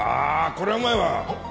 こりゃうまいわ。